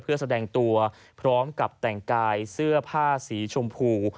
เพื่อแสดงตัวพร้อมกับแต่งกายเสื้อผ้าสีชมพู